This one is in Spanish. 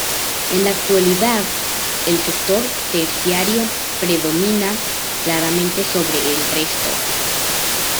En la actualidad, el sector terciario predomina claramente sobre el resto.